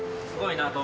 すごいな！